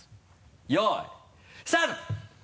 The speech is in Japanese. よいスタート！